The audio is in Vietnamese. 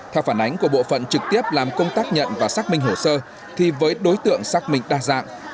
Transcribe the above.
theo phản ánh của bộ phận trực tiếp làm công tác nhận và xác minh hồ sơ thì với đối tượng xác minh đa dạng